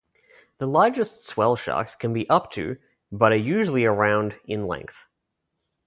The largest swellsharks can be up to but are usually around in length.